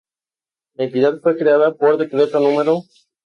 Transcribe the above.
La entidad fue creada por decreto no.